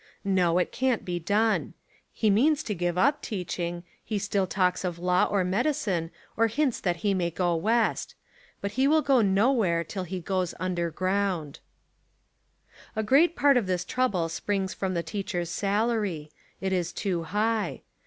No, it can't be done. He means to give up teaching. He still talks of law or 175 Essays and Literary Studies medicine, or hints that he may go west. But he will go nowhere till he goes underground. A great part of this trouble springs from the teacher's salary. It is too high.